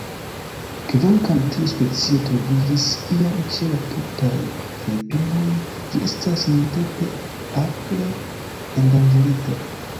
Kvankam tiu specio troviĝis iam ĉe la tutaj Filipinoj, ĝi estas nuntempe akre endanĝerita.